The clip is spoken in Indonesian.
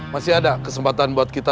masih ada kesempatan buat kita